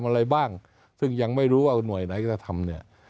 อะไรบ้างซึ่งยังไม่รู้ว่าหน่วยไหนจะทำเนี่ย